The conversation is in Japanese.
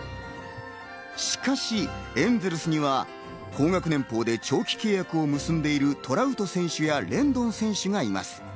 しかしエンゼルスには高額年俸で長期契約を結んでいるトラウト選手やレンドン選手がいます。